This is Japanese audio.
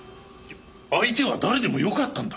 相手は誰でもよかったんだ。